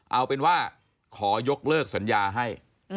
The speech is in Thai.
เอาเป็นว่าขอยกเลิกสัญญาให้